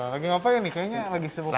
lagi ngapain nih kayaknya lagi sibuk